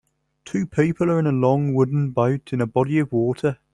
Two people are in a long wooden boat in a body of water.